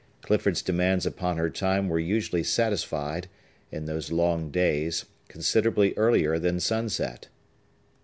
Clifford's demands upon her time were usually satisfied, in those long days, considerably earlier than sunset.